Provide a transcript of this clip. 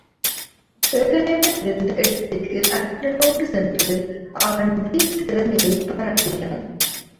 ஏகலைவன் இருந்த இடத்துக்கு அருச்சுனனோடு சென்று அவன் வில் திறமையைப் பாராட்டினான்.